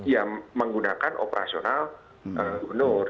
yang menggunakan operasional gubernur